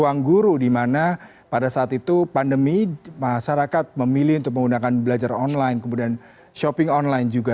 ruang guru dimana pada saat itu pandemi masyarakat memilih untuk menggunakan belajar online kemudian shopping online juga